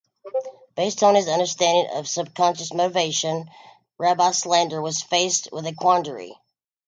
Based on his understanding of subconscious motivation, Rabbi Salanter was faced with a quandary.